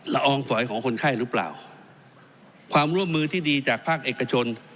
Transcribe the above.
อองฝอยของคนไข้หรือเปล่าความร่วมมือที่ดีจากภาคเอกชน